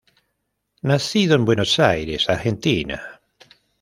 Nacido en Buenos Aires, Argentina.